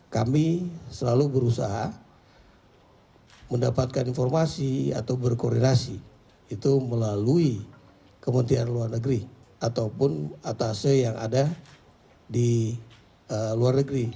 kami selalu berusaha mendapatkan informasi atau berkoordinasi itu melalui kementerian luar negeri ataupun atase yang ada di luar negeri